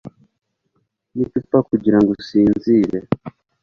n'icupa kugirango usinzire